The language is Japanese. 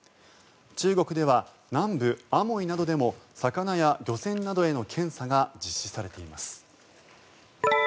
中国では南部アモイなどでも魚や漁船などへの検査が実施されています。